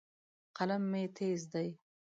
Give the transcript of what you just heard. قلم مې تیز دی.